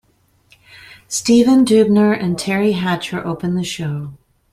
Stephen Dubner and Teri Hatcher opened the Show.